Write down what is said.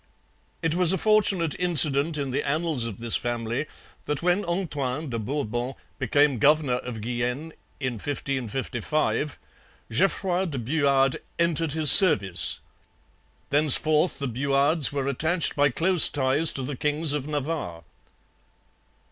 It was a fortunate incident in the annals of this family that when Antoine de Bourbon became governor of Guienne (1555) Geoffroy de Buade entered his service. Thenceforth the Buades were attached by close ties to the kings of Navarre.